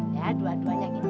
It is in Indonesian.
ya dua duanya gini